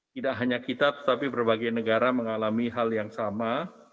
tidak hanya kita tetapi berbagai negara mengalami hal yang sama